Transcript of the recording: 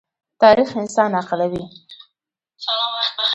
تاریخ انسان عاقلوي.